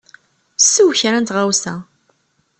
Sew kra n tɣawsa.